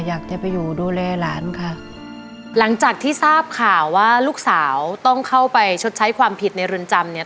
อยากจะไปอยู่ดูแลหลานค่ะหลังจากที่ทราบข่าวว่าลูกสาวต้องเข้าไปชดใช้ความผิดในเรือนจำเนี่ย